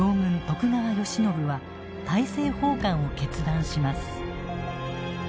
徳川慶喜は大政奉還を決断します。